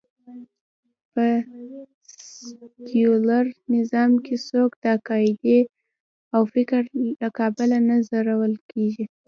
په سکیولر نظام کې څوک د عقېدې او فکر له کبله نه ځورول کېږي